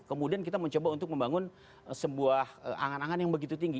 kemudian kita mencoba untuk membangun sebuah angan angan yang begitu tinggi